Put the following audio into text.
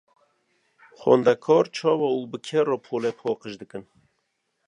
Xwendekar çawa û bi kê re polê paqij dikin?